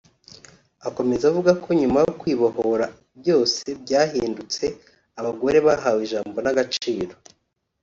Akomeza avuga ko nyuma yo kwibohora byose byahindutse abagore bahawe ijambo n’agaciro